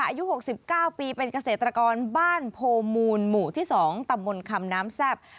อายุ๖๙ปีเป็นเกษตรกรบ้านโพมูลหมู่ที่๒ตำบลคำน้ำแซ่บ